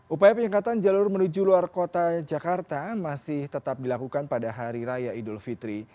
upaya penyekatan jalur menuju luar kota jakarta masih tetap dilakukan pada hari raya idul fitri